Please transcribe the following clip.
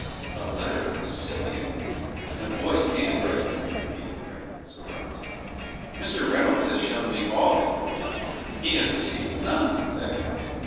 "A letter from Scipio, in a boy's handwriting!" repeated Grant, surprised. "Mr. Reynolds has shown me all his letters. He has received none from there."